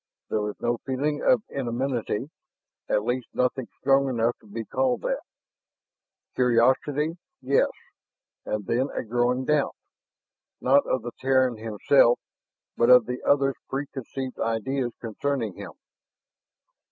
There was no feeling of enmity at least nothing strong enough to be called that. Curiosity, yes, and then a growing doubt, not of the Terran himself, but of the other's preconceived ideas concerning him.